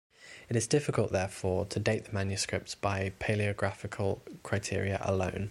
It is difficult therefore to date the manuscripts by palaeographical criteria alone.